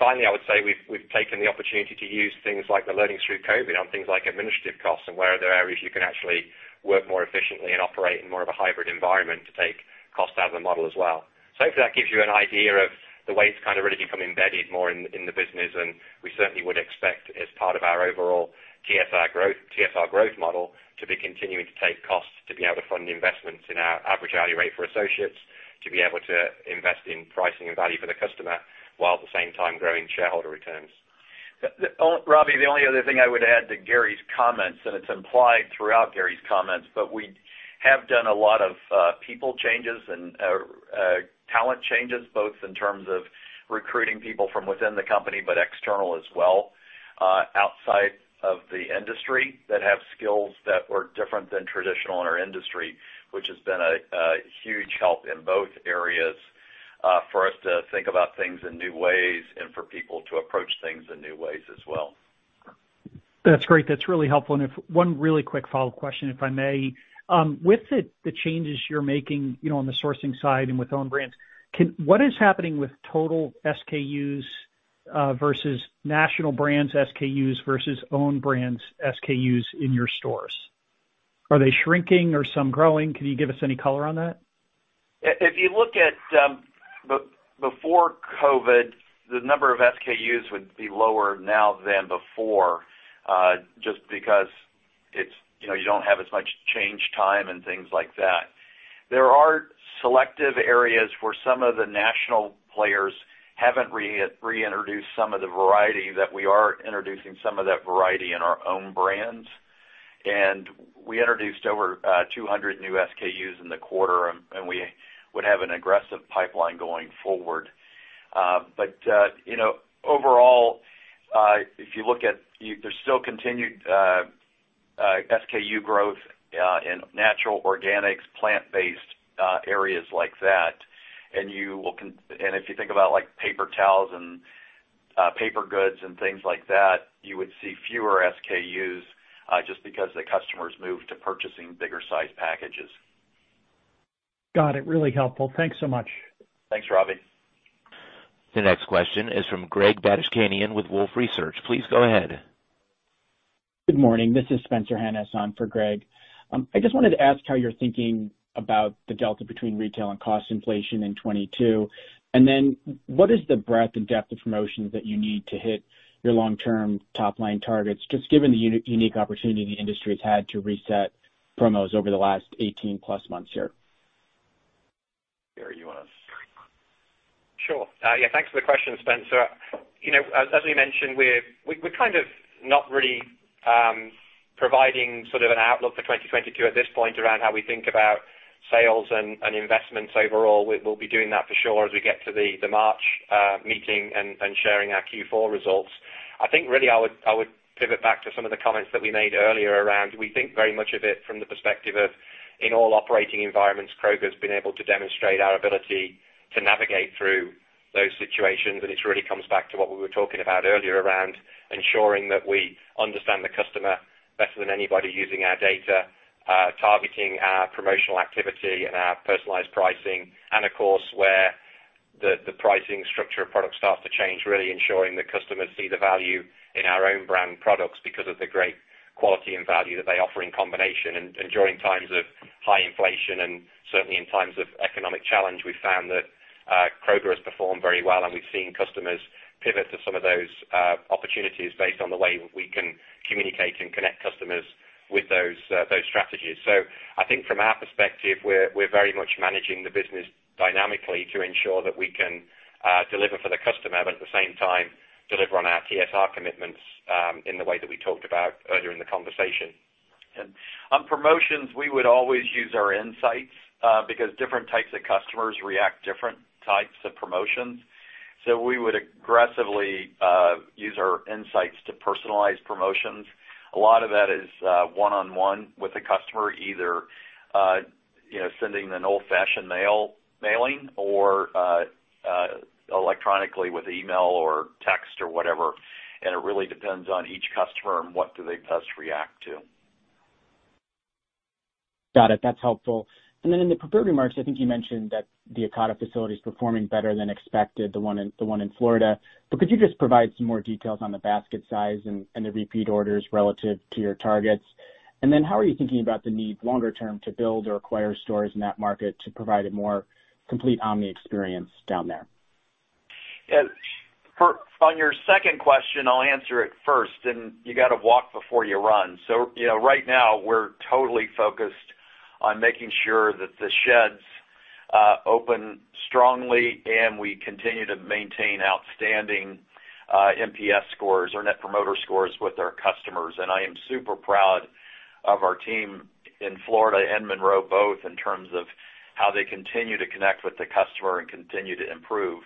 Finally, I would say we've taken the opportunity to use things like the learnings through COVID on things like administrative costs and where there are areas you can actually work more efficiently and operate in more of a hybrid environment to take cost out of the model as well. Hopefully that gives you an idea of the way it's kind of really become embedded more in the business, and we certainly would expect as part of our overall TSR growth, TSR growth model to be continuing to take costs to be able to fund the investments in our average hourly rate for associates, to be able to invest in pricing and value for the customer, while at the same time growing shareholder returns. Robbie, the only other thing I would add to Gary's comments, and it's implied throughout Gary's comments, but we have done a lot of people changes and talent changes, both in terms of recruiting people from within the company, but external as well, outside of the industry that have skills that were different than traditional in our industry, which has been a huge help in both areas, for us to think about things in new ways and for people to approach things in new ways as well. That's great. That's really helpful. If one really quick follow-up question, if I may. With the changes you're making on the sourcing side and with own brands, what is happening with total SKUs versus national brands SKUs versus own brands SKUs in your stores? Are they shrinking? Are some growing? Can you give us any color on that? If you look at before COVID, the number of SKUs would be lower now than before, just because it's you don't have as much change time and things like that. There are selective areas where some of the national players haven't reintroduced some of the variety that we are introducing some of that variety in our own brands. We introduced over 200 new SKUs in the quarter, and we would have an aggressive pipeline going forward. You know, overall, if you look at, there's still continued SKU growth in natural organics, plant-based areas like that. You will and if you think about like paper towels and paper goods and things like that, you would see fewer SKUs just because the customers move to purchasing bigger sized packages. Got it. Really helpful. Thanks so much. Thanks, Robbie. The next question is from Greg Badishkanian with Wolfe Research. Please go ahead. Good morning. This is Spencer Hanus on for Greg. I just wanted to ask how you're thinking about the delta between retail and cost inflation in 2022. What is the breadth and depth of promotions that you need to hit your long-term top line targets, just given the unique opportunity the industry has had to reset promos over the last 18 plus months here? Gary, you wanna? Sure. Yeah, thanks for the question, Spencer. As we mentioned, we're kind of not really providing sort of an outlook for 2022 at this point around how we think about sales and investments overall. We'll be doing that for sure as we get to the March meeting and sharing our Q4 results. I think really I would pivot back to some of the comments that we made earlier around we think very much of it from the perspective of in all operating environments, Kroger's been able to demonstrate our ability to navigate through those situations. It really comes back to what we were talking about earlier around ensuring that we understand the customer better than anybody using our data, targeting our promotional activity and our personalized pricing. Of course, where the pricing structure of products starts to change, really ensuring that customers see the value in our own brand products because of the great quality and value that they offer in combination. During times of high inflation and certainly in times of economic challenge, we found that Kroger has performed very well, and we've seen customers pivot to some of those opportunities based on the way we can communicate and connect customers with those strategies. I think from our perspective, we're very much managing the business dynamically to ensure that we can deliver for the customer, but at the same time, deliver on our TSR commitments in the way that we talked about earlier in the conversation. On promotions, we would always use our insights, because different types of customers react different types of promotions. We would aggressively use our insights to personalize promotions. A lot of that is one-on-one with the customer, either you know, sending an old-fashioned mailing or electronically with email or text or whatever. It really depends on each customer and what do they best react to. Got it. That's helpful. Then in the prepared remarks, I think you mentioned that the Ocado facility is performing better than expected, the one in Florida. Could you just provide some more details on the basket size and the repeat orders relative to your targets? How are you thinking about the need longer term to build or acquire stores in that market to provide a more complete omni experience down there? On your second question, I'll answer it first, and you gotta walk before you run. You know, right now, we're totally focused on making sure that the sheds open strongly and we continue to maintain outstanding NPS scores or net promoter scores with our customers. I am super proud of our team in Florida and Monroe both in terms of how they continue to connect with the customer and continue to improve.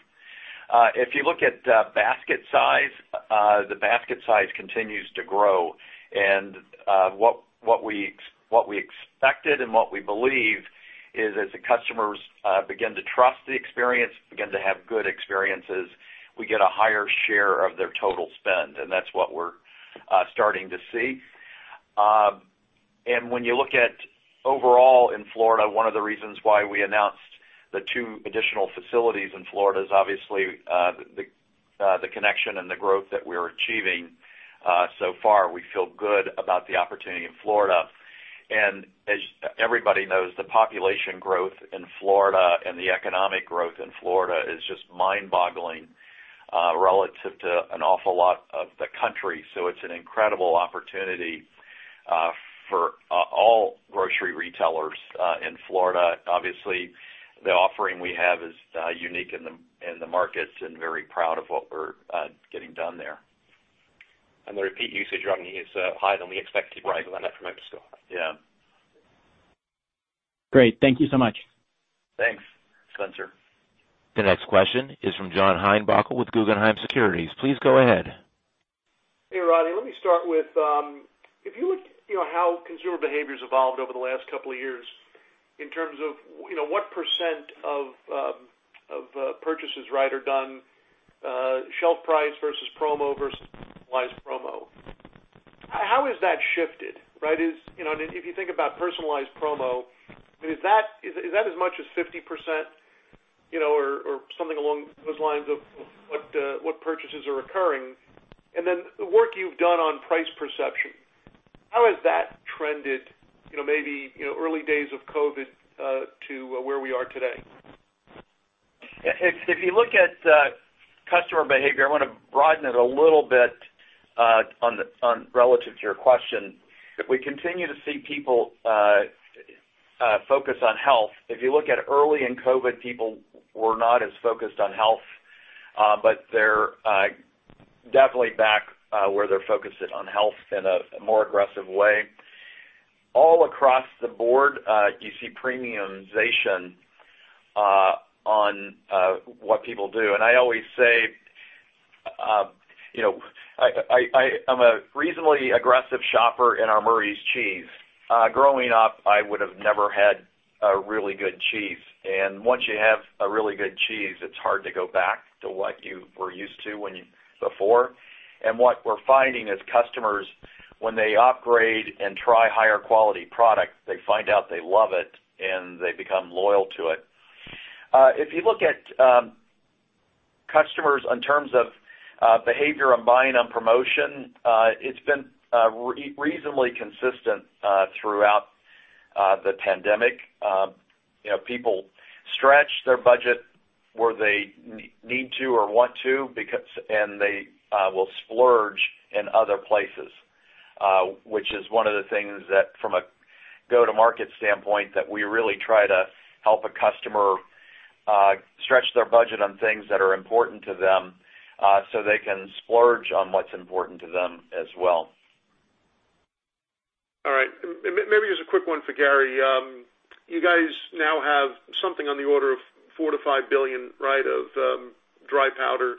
If you look at basket size, the basket size continues to grow. What we expected and what we believe is as the customers begin to trust the experience, begin to have good experiences, we get a higher share of their total spend, and that's what we're starting to see. When you look at overall in Florida, one of the reasons why we announced the 2 additional facilities in Florida is obviously the connection and the growth that we're achieving so far. We feel good about the opportunity in Florida. As everybody knows, the population growth in Florida and the economic growth in Florida is just mind-boggling relative to an awful lot of the country. It's an incredible opportunity for all grocery retailers in Florida. Obviously, the offering we have is unique in the markets and very proud of what we're getting done there. The repeat usage, Rodney, is higher than we expected from NPS score. Yeah. Great. Thank you so much. Thanks, Spencer. The next question is from John Heinbockel with Guggenheim Securities. Please go ahead. Hey, Rodney. Let me start with, if you look how consumer behavior's evolved over the last couple of years in terms of what percent of purchases, right, are done, shelf price versus promo versus personalized promo. How has that shifted, right? You know, if you think about personalized promo, I mean, is that as much as 50% or something along those lines of what purchases are occurring? Then the work you've done on price perception, how has that trended maybe early days of COVID to where we are today? If you look at customer behavior, I wanna broaden it a little bit on relative to your question. We continue to see people focus on health. If you look at early in COVID, people were not as focused on health, but they're definitely back where they're focusing on health in a more aggressive way. All across the board, you see premiumization on what people do. I always say I am a reasonably aggressive shopper in our Murray's Cheese. Growing up, I would have never had a really good cheese. Once you have a really good cheese, it's hard to go back to what you were used to before. What we're finding is customers, when they upgrade and try higher quality product, they find out they love it, and they become loyal to it. If you look at customers in terms of behavior on buying on promotion, it's been reasonably consistent throughout the pandemic. You know, people stretch their budget where they need to or want to because they will splurge in other places, which is one of the things that from a go-to-market standpoint we really try to help a customer stretch their budget on things that are important to them, so they can splurge on what's important to them as well. All right. Maybe just a quick one for Gary. You guys now have something on the order of $4 billion-$5 billion, right, of dry powder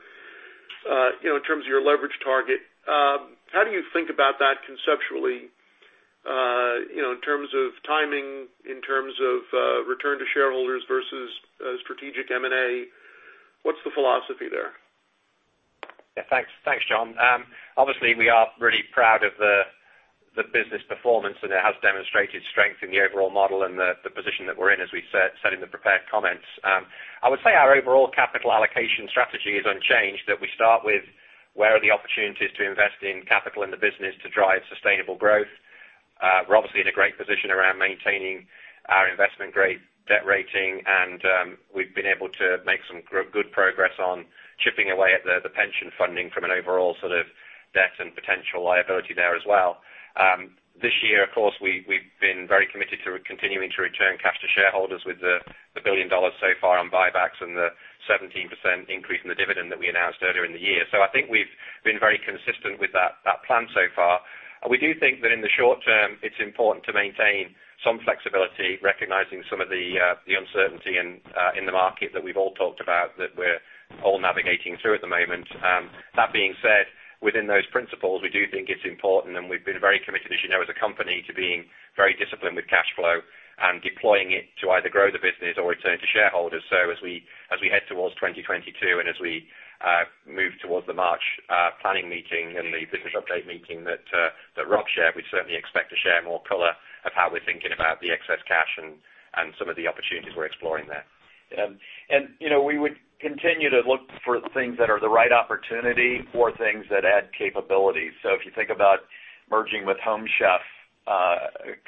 in terms of your leverage target. How do you think about that conceptually in terms of timing, in terms of return to shareholders versus strategic M&A? What's the philosophy there? Yeah, thanks. Thanks, John. Obviously, we are really proud of the business performance, and it has demonstrated strength in the overall model and the position that we're in, as we said in the prepared comments. I would say our overall capital allocation strategy is unchanged, that we start with where are the opportunities to invest in capital in the business to drive sustainable growth. We're obviously in a great position around maintaining our investment-grade debt rating, and we've been able to make some good progress on chipping away at the pension funding from an overall sort of debt and potential liability there as well. This year, of course, we've been very committed to continuing to return cash to shareholders with the $1 billion so far on buybacks and the 17% increase in the dividend that we announced earlier in the year. I think we've been very consistent with that plan so far. We do think that in the short term, it's important to maintain some flexibility, recognizing some of the uncertainty in the market that we've all talked about, that we're all navigating through at the moment. That being said, within those principles, we do think it's important, and we've been very committed, as you know, as a company, to being very disciplined with cash flow and deploying it to either grow the business or return it to shareholders. As we head towards 2022 and as we move towards the March planning meeting and the business update meeting that Rob shared, we certainly expect to share more color on how we're thinking about the excess cash and some of the opportunities we're exploring there. You know, we would continue to look for things that are the right opportunity or things that add capabilities. If you think about merging with Home Chef, a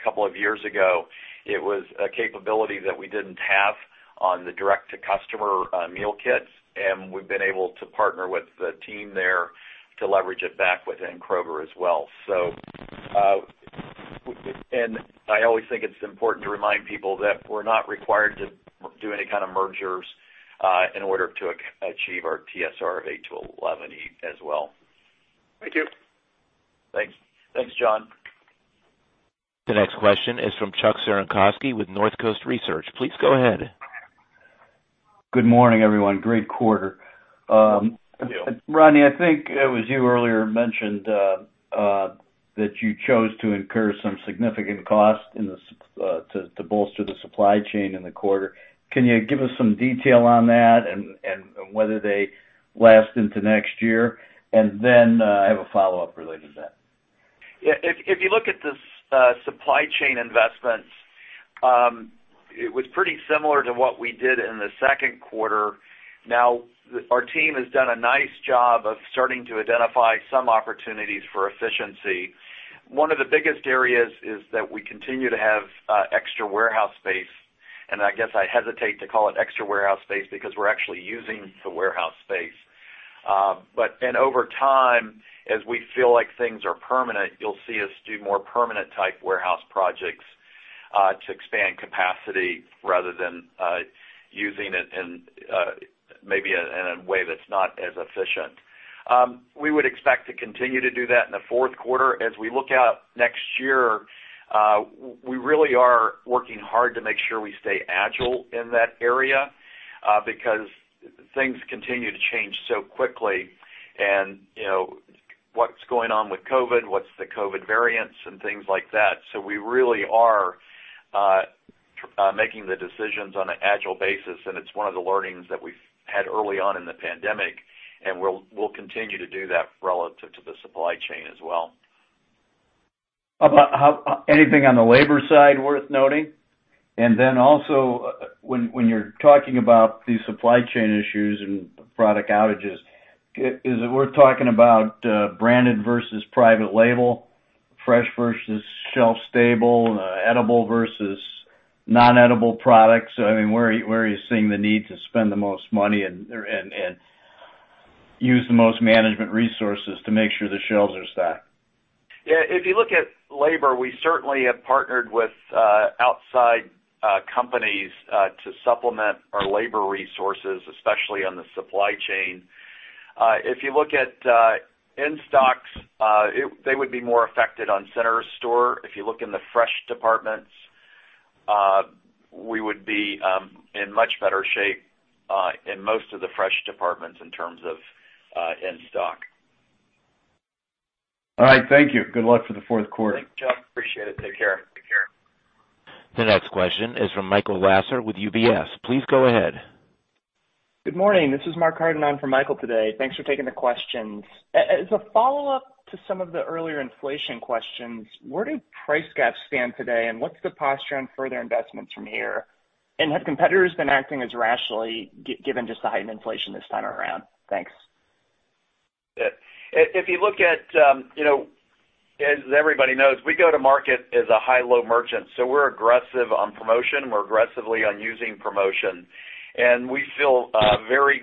couple of years ago, it was a capability that we didn't have on the direct-to-consumer meal kits, and we've been able to partner with the team there to leverage it back within Kroger as well. I always think it's important to remind people that we're not required to do any kind of mergers in order to achieve our TSR of 8%-11% as well. Thank you. Thanks. Thanks, John. The next question is from Chuck Cerankosky with Northcoast Research. Please go ahead. Good morning, everyone. Great quarter. Thank you. Rodney, I think it was you earlier mentioned that you chose to incur some significant costs to bolster the supply chain in the quarter. Can you give us some detail on that and whether they last into next year? I have a follow-up related to that. If you look at the supply chain investments, it was pretty similar to what we did in the Q2. Our team has done a nice job of starting to identify some opportunities for efficiency. One of the biggest areas is that we continue to have extra warehouse space. I guess I hesitate to call it extra warehouse space because we're actually using the warehouse space. Over time, as we feel like things are permanent, you'll see us do more permanent type warehouse projects to expand capacity rather than using it, maybe, in a way that's not as efficient. We would expect to continue to do that in the Q4. As we look out next year, we really are working hard to make sure we stay agile in that area, because things continue to change so quickly. You know, what's going on with COVID? What's the COVID variants and things like that. We really are making the decisions on an agile basis, and it's one of the learnings that we've had early on in the pandemic, and we'll continue to do that relative to the supply chain as well. How about anything on the labor side worth noting? Also when you're talking about the supply chain issues and product outages, is it we're talking about, branded versus private label, fresh versus shelf stable, edible versus non-edible products? I mean, where are you seeing the need to spend the most money and use the most management resources to make sure the shelves are stocked? Yeah. If you look at labor, we certainly have partnered with outside companies to supplement our labor resources, especially on the supply chain. If you look at in-stocks, they would be more affected on center store. If you look in the fresh departments, we would be in much better shape in most of the fresh departments in terms of in-stock. All right. Thank you. Good luck for the Q4. Thanks, Chuck. I appreciate it. Take care. The next question is from Michael Lasser with UBS. Please go ahead. Good morning. This is Mark Hardiman for Michael today. Thanks for taking the questions. As a follow-up to some of the earlier inflation questions, where do price gaps stand today, and what's the posture on further investments from here? Have competitors been acting as rationally given just the height of inflation this time around? Thanks. If you look at as everybody knows, we go to market as a high-low merchant, so we're aggressive on promotion. We're aggressively on using promotion. We feel very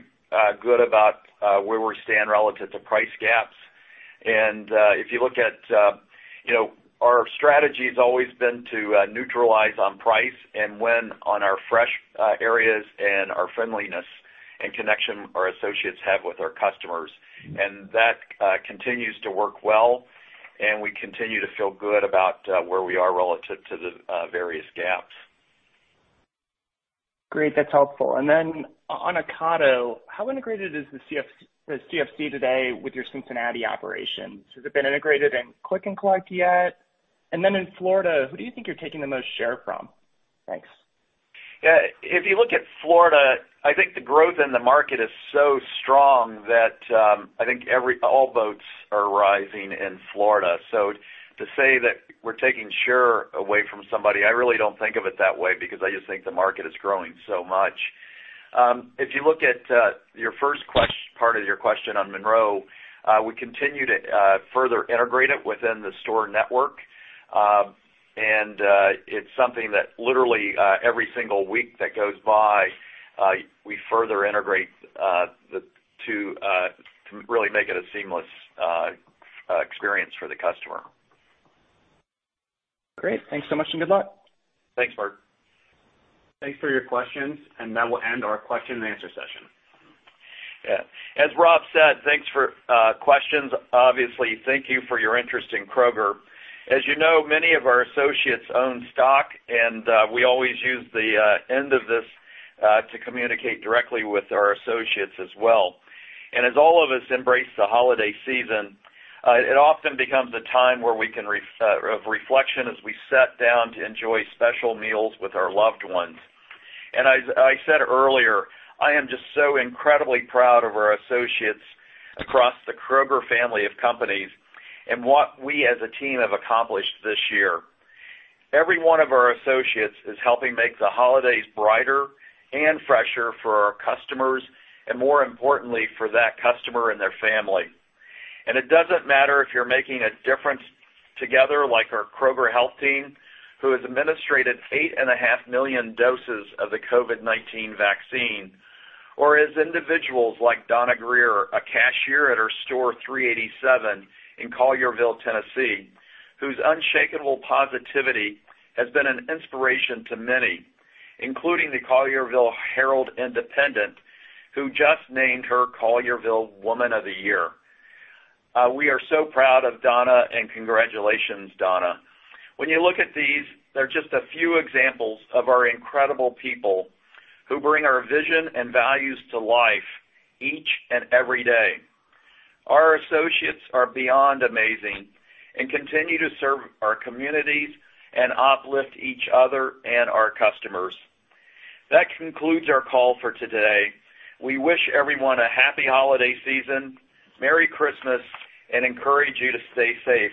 good about where we stand relative to price gaps. If you look at our strategy's always been to neutralize on price and win on our fresh areas and our friendliness and connection our associates have with our customers. That continues to work well, and we continue to feel good about where we are relative to the various gaps. Great. That's helpful. On Ocado, how integrated is the CFC today with your Cincinnati operations? Has it been integrated in click and collect yet? In Florida, who do you think you're taking the most share from? Thanks. Yeah. If you look at Florida, I think the growth in the market is so strong that I think all boats are rising in Florida. To say that we're taking share away from somebody, I really don't think of it that way because I just think the market is growing so much. If you look at your first part of your question on Monroe, we continue to further integrate it within the store network. It's something that literally every single week that goes by we further integrate to really make it a seamless experience for the customer. Great. Thanks so much, and good luck. Thanks, Mark. Thanks for your questions, and that will end our question and answer session. Yeah. As Rob said, thanks for questions. Obviously, thank you for your interest in Kroger. As you know, many of our associates own stock, and we always use the end of this to communicate directly with our associates as well. As all of us embrace the holiday season, it often becomes a time of reflection as we sit down to enjoy special meals with our loved ones. As I said earlier, I am just so incredibly proud of our associates across the Kroger family of companies and what we as a team have accomplished this year. Every one of our associates is helping make the holidays brighter and fresher for our customers, and more importantly, for that customer and their family. It doesn't matter if you're making a difference together like our Kroger Health team, who has administered 8.5 million doses of the COVID-19 vaccine, or as individuals like Donna Greer, a cashier at our store 387 in Collierville, Tennessee, whose unshakable positivity has been an inspiration to many, including the Collierville Herald-Independent, who just named her Collierville Woman of the Year. We are so proud of Donna and congratulations, Donna. When you look at these, they're just a few examples of our incredible people who bring our vision and values to life each and every day. Our associates are beyond amazing and continue to serve our communities and uplift each other and our customers. That concludes our call for today. We wish everyone a happy holiday season, Merry Christmas, and encourage you to stay safe.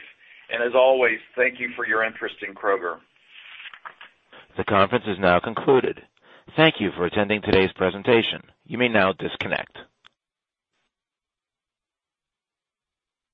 As always, thank you for your interest in Kroger. The conference is now concluded. Thank you for attending today's presentation. You may now disconnect.